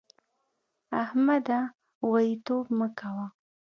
احمده! غواييتوب مه کوه.